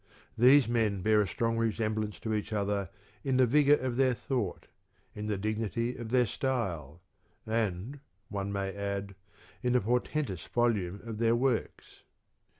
These men bear a strong resemblance to each other in the vigour of their thought, in the dignity of their style, and, one may add, in the portentous volume of their works.